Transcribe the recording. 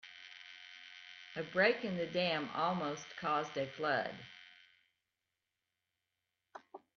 A break in the dam almost caused a flood.